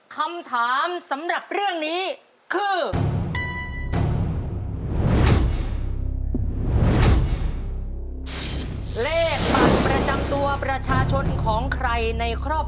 คำถามสำหรับเรื่องนี้คือ